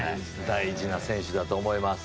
大事な選手だと思います。